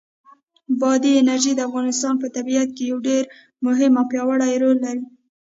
بادي انرژي د افغانستان په طبیعت کې یو ډېر مهم او پیاوړی رول لري.